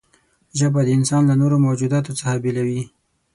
ژبه انسان له نورو موجوداتو څخه بېلوي.